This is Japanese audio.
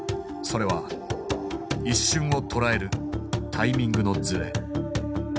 それは一瞬をとらえるタイミングのズレ。